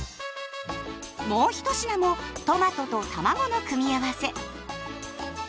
もう１品もトマトとたまごの組み合わせ。